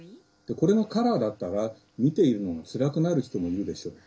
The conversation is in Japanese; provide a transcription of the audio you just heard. これがカラーだったら見ているのがつらくなる人もいるでしょう。